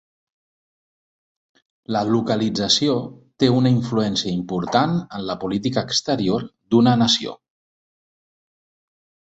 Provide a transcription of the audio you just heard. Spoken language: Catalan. La localització té una influència important en la política exterior d'una nació.